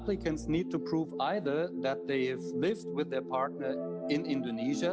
pengguna harus menunjukkan bahwa mereka telah hidup bersama pasangan mereka di indonesia